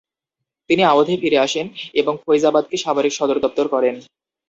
তিনি আওধে ফিরে আসেন এবং ফৈজাবাদকে সামরিক সদরদপ্তর করেন।